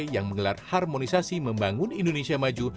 yang menggelar harmonisasi membangun indonesia maju